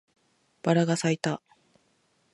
バラが咲いた